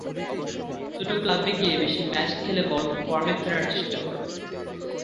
ছোট ক্লাবে গিয়ে বেশি ম্যাচ খেলে বরং ফর্মে ফেরার চেষ্টা করবেন।